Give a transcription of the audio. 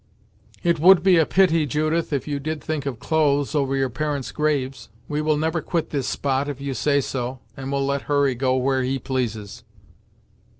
"It would be a pity, Judith, if you did think of clothes, over your parents' graves! We will never quit this spot, if you say so, and will let Hurry go where he pleases."